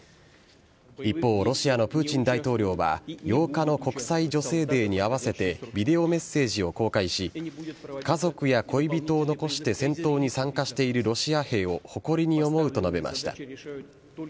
一方、ロシアのプーチン大統領は、８日の国際女性デーに合わせて、ビデオメッセージを公開し、家族や恋人を残して戦闘に参加しているロシア兵を誇りに思うと述べました。